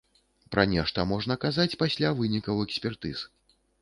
Пра нешта можна казаць пасля вынікаў экспертыз.